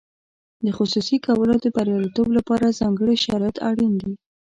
د خصوصي کولو د بریالیتوب لپاره ځانګړي شرایط اړین دي.